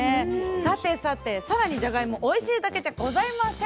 さてさて更にじゃがいもおいしいだけじゃございません。